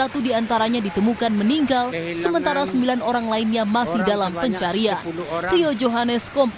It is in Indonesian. satu diantaranya ditemukan meninggal sementara sembilan orang lainnya masih dalam pencarian